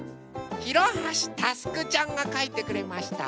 ひろはしたすくちゃんがかいてくれました。